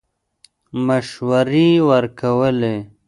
مشورې ورکولې.